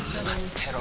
てろ